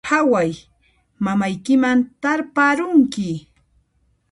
Phaway, mamaykiman tarparunki